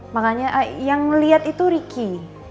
makanya yang melihat itu ricky